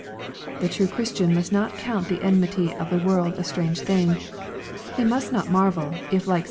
The true Christian must not count the enmity of the world a strange thing. He must not marvel, if like Bt.